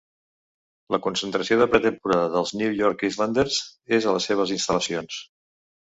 La concentració de pretemporada dels New York Islanders és a les seves instal·lacions.